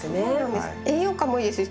栄養価もいいです。